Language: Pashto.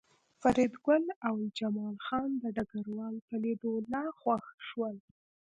فریدګل او جمال خان د ډګروال په لیدو لا خوښ شول